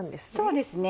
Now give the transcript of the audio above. そうですね。